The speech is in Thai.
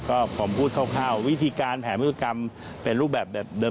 ก็ผมพูดคร่าววิธีการแผนพฤติกรรมเป็นรูปแบบแบบเดิม